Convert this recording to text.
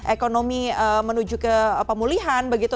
ekonomi menuju ke pemulihan begitu